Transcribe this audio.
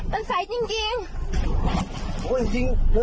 มาทางเรามันมาทางนี้